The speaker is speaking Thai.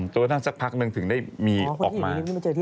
กระทั่งสักพักหนึ่งถึงได้มีออกมา